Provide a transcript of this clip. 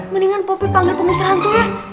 mendingan poki panggil pengusir hantu ya